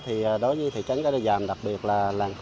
thì đối với thị trấn cái đô dàm